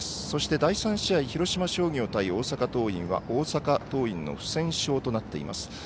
そして第３試合広島商業対大阪桐蔭は大阪桐蔭の不戦勝となっています。